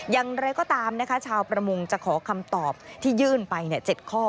อย่างไรก็ตามนะคะชาวประมงจะขอคำตอบที่ยื่นไป๗ข้อ